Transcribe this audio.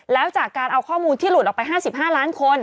แล้วจากการเอาข้อมูลที่หลุดออกไป๕๕ล้านคน